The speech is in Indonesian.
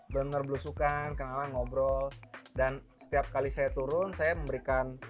bener bener belusukan kenalan ngobrol dan setiap kali saya turun saya memberikan